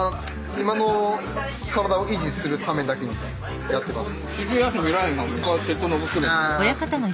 今の体を維持するためだけにやってます。